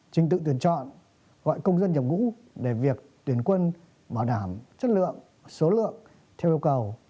trình tự tuyển chọn gọi công dân nhập ngũ để việc tuyển quân bảo đảm chất lượng số lượng theo yêu cầu